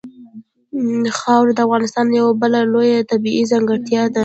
خاوره د افغانستان یوه بله لویه طبیعي ځانګړتیا ده.